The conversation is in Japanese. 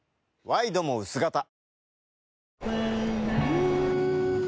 ワイドも薄型